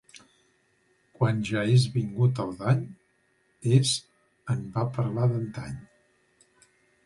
Quan ja és vingut el dany, és en va parlar d'antany.